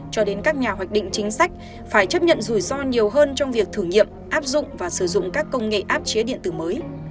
cho đến các nhà hoạch định chính sách phải chấp nhận rủi ro nhiều hơn trong việc thử nghiệm áp dụng và sử dụng các công nghệ áp chế điện tử mới